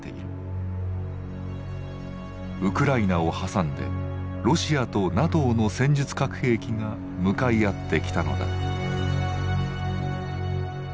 ウクライナを挟んでロシアとＮＡＴＯの戦術核兵器が向かい合ってきたのだ。